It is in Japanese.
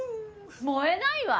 燃えないわ！